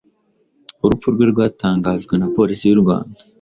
Urupfu rwe rwatangajwe na polisi y'u Rwanda